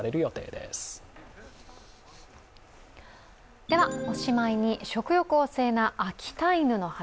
では、おしまいに食欲旺盛な秋田犬のお話。